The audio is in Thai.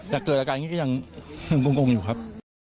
แต่เกิดอาการอย่างนี้ก็ยังกงอยู่ครับ